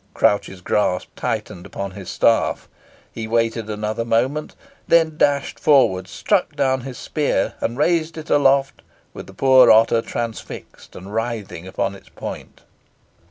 Crouch's grasp tightened upon his staff he waited another moment then dashed forward, struck down his spear, and raised it aloft, with the poor otter transfixed and writhing upon its point.